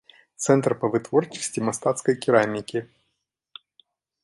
Цэнтр па вытворчасці мастацкай керамікі.